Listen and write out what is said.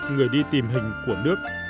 người đi tìm hình của nước